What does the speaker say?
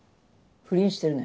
不倫してるね。